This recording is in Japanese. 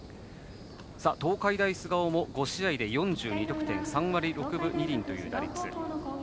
東海大菅生も５試合で４２得点３割６分２厘という打率。